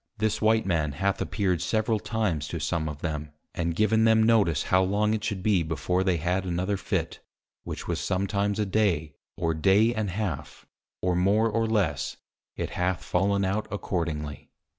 This white Man hath appeared several times to some of them, and given them notice how long it should be before they had another Fit, which was sometimes a day, or day and half, or more or less, it hath fallen out accordingly.